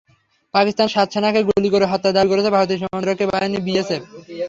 পাকিস্তানের সাত সেনাকে গুলি করে হত্যার দাবি করেছে ভারতের সীমান্তরক্ষী বাহিনী বিএসএফ।